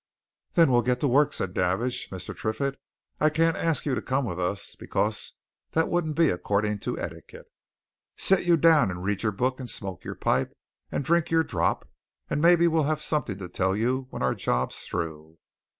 "Then we'll get to work," said Davidge. "Mr. Triffitt, I can't ask you to come with us, because that wouldn't be according to etiquette. Sit you down and read your book and smoke your pipe and drink your drop and maybe we'll have something to tell you when our job's through."